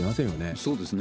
そうですね。